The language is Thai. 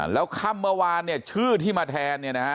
แล้วค่ำเมื่อวานเนี่ยชื่อที่มาแทนเนี่ยนะฮะ